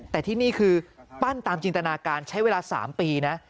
แต่ที่นี่คือปั้นตามจินตนาการใช้เวลา๓ปีนะ